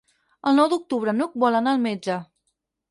El nou d'octubre n'Hug vol anar al metge.